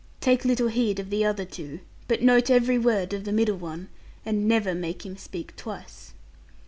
Take little heed of the other two; but note every word of the middle one; and never make him speak twice.'